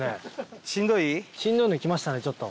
しんどいの来ましたねちょっと。